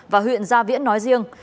và huyện gia viễn nói riêng